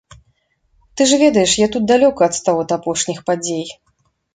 Ты ж ведаеш, я тут далёка адстаў ад апошніх падзей.